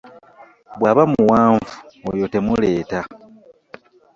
Bw'aba muwanvu oyo temuleeta.